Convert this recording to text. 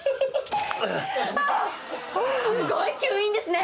すごい吸引ですね。